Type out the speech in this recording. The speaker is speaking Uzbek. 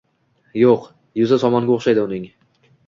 Yo’q, yuzi somonga o’xshaydi uning